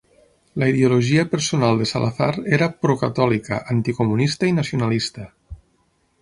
La ideologia personal de Salazar era procatòlica, anticomunista i nacionalista.